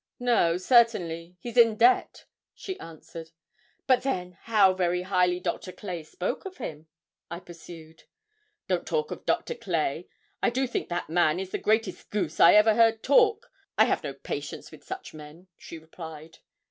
'No, certainly; he's in debt,' she answered. 'But then, how very highly Doctor Clay spoke of him!' I pursued. 'Don't talk of Doctor Clay. I do think that man is the greatest goose I ever heard talk. I have no patience with such men,' she replied.